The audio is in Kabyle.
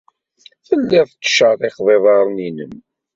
Telliḍ tettcerriqeḍ iḍarren-nnem.